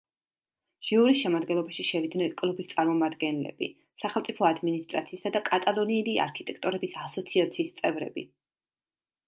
ჟიურის შემადგენლობაში შევიდნენ კლუბის წარმომადგენლები, სახელმწიფო ადმინისტრაციისა და კატალონიელი არქიტექტორების ასოციაციის წევრები.